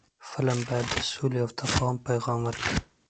فلم باید د سولې او تفاهم پیغام ورکړي